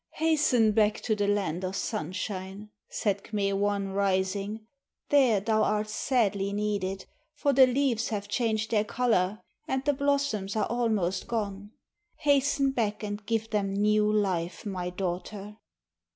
"Hasten back to the land of Sunshine," said K'me wan, rising. "There thou art sadly needed, for the leaves have changed their color and the blossoms are almost gone. Hasten back and give them new life, my daughter."